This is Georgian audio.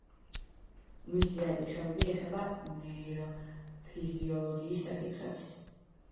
მისი ძირითადი შრომები ეხება ნეიროფიზიოლოგიის საკითხებს.